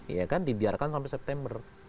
iya kan dibiarkan sampai september